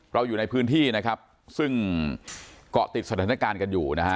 อยู่ในพื้นที่นะครับซึ่งเกาะติดสถานการณ์กันอยู่นะฮะ